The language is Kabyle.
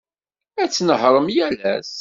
Ad tnehhṛem yal ass.